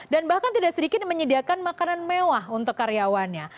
dan bahkan tidak sedikit menyediakan makanan mewah untuk karyawannya